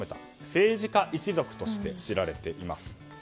政治家一族として知られています。